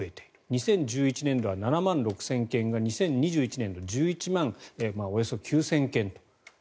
２０１１年度は７万６０００件が２０２１年度およそ１１万９０００件と。